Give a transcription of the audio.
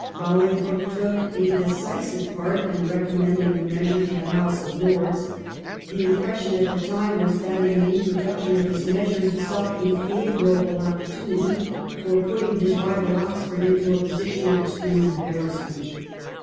Bohngbroke took a decisive part in recommending the measure to the House of Lords. The impression at the time was that in the introduction of this measure he saw a favourable opportunity for putting his rival Oxford into a position of extreme embarrass ment.